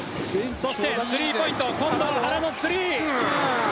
そしてスリーポイント今度は原のスリー。